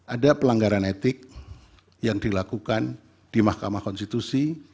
ada pelanggaran etik yang dilakukan di mahkamah konstitusi